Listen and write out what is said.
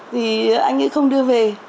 thì anh ấy không đưa về